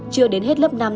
chưa đến hết lớp năm